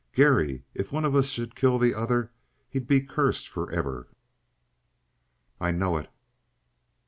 "Garry, if one of us should kill the other, he'd be cursed forever!" "I know it."